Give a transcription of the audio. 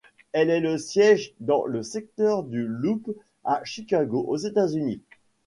Elle est siège dans le secteur du Loop à Chicago, aux États-Unis.